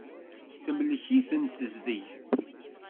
Temlek-itent tezdeg.